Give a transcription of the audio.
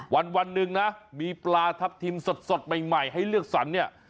วันหนึ่งนะมีปลาทับทิมสดใหม่ให้เลือกสรรเนี่ย